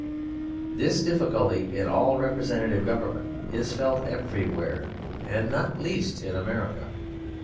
This difficulty in all representative government is felt everywhere, and not least in America.